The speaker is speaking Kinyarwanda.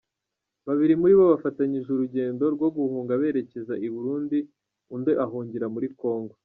Babiri muri bo bafatanyije urugendo rwo guhunga berekeza i Burundi undi ahungira muri Congo.